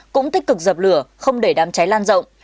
cũng tích cực dập lửa không để đám cháy lan rộng